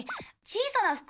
小さな服？